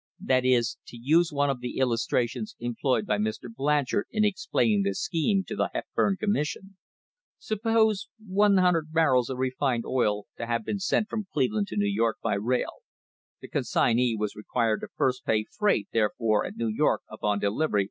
That is, to use one of the illustrations employed by Mr. Blanchard in explaining the scheme to the Hepburn Commission: "Sup pose 100 barrels of refined oil to have been sent from Cleveland to New York by rail; the consignee was required to first pay freight therefor at New York upon delivery $1.